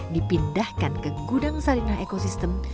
dipindahkan ke gudang salinah ecosystem